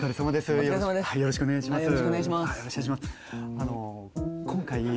よろしくお願いします。